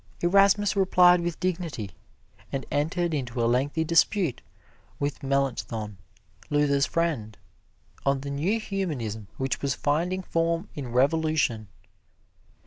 Erasmus replied with dignity, and entered into a lengthy dispute with Melanchthon, Luther's friend, on the New Humanism which was finding form in revolution.